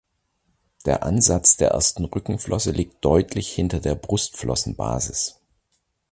Der Ansatz der ersten Rückenflosse liegt deutlich hinter der Brustflossenbasis.